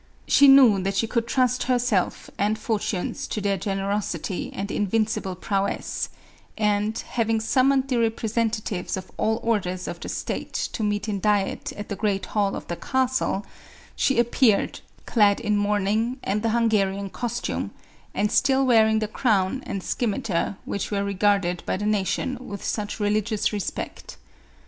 She knew that she could trust herself and fortunes to their generosity and invincible prowess ; and, hav ing summoned the representatives of all orders of the state to meet in diet at the great hall of the castle, she appeared, clad in mourning and the Hungarian cos tume, and still wearing the crown and scimiter which were regarded by the nation with such religious respect.